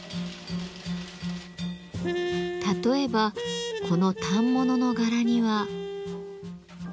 例えばこの反物の柄には。